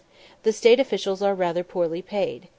The state officials are rather poorly paid.